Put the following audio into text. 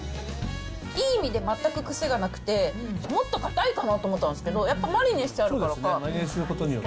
いい意味で全く癖がなくて、もっと硬いかなと思ったんですけど、そうですね、マリネすることによって。